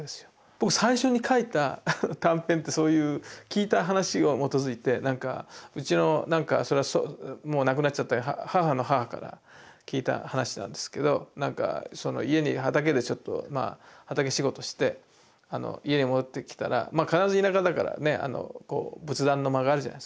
僕最初に書いた短編ってそういう聞いた話を基づいてなんかうちのもう亡くなっちゃった母の母から聞いた話なんですけど畑でちょっと畑仕事して家に戻ってきたらまあ必ず田舎だからね仏壇の間があるじゃないですか。